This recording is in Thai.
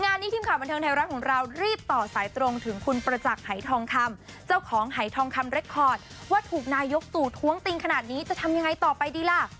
งานนี้ทีมข่าวบันเทิงไทยรัฐของเรารีบต่อสายตรงถึงคุณประจักษ์หายทองคำเจ้าของหายทองคำเรคคอร์ดว่าถูกนายกตู่ท้วงติงขนาดนี้จะทำยังไงต่อไปดีล่ะ